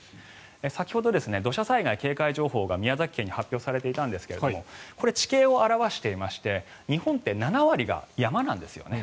先ほど土砂災害警戒情報が宮崎県に発表されていたんですがこれ、地形を表していまして日本って７割が山なんですね。